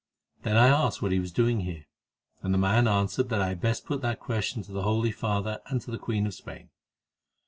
"Then I asked what he was doing here, and the man answered that I had best put that question to the Holy Father and to the Queen of Spain.